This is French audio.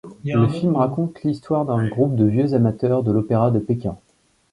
Le film raconte l’histoire d’un groupe de vieux amateurs de l’Opéra de Pékin.